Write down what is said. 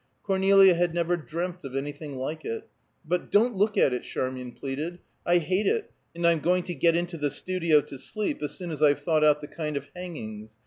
Cornelia had never dreamt of anything like it, but "Don't look at it!" Charmian pleaded. "I hate it, and I'm going to get into the studio to sleep as soon as I've thought out the kind of hangings.